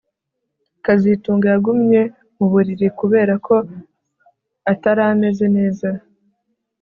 kazitunga yagumye mu buriri kubera ko atari ameze neza